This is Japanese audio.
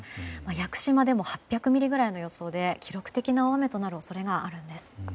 屋久島でも８００ミリくらいの予想で記録的な大雨となる恐れがあるんです。